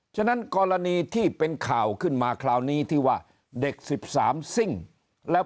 ฉะนั้นกรณีที่เป็นข่าวขึ้นมาคราวนี้ที่ว่าเด็ก๑๓ซิ่งแล้ว